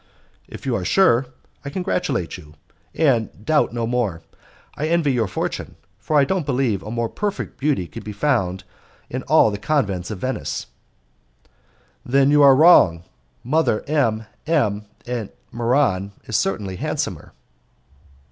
"If you are sure; I congratulate you, and doubt no more. I envy your fortune, for I don't believe a more perfect beauty could be found in all the convents of Venice." "There you are wrong. Mother M M , at in Muran, is certainly handsomer."